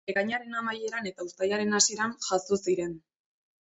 Ekainaren amaieran eta uztailaren hasieran jazo ziren.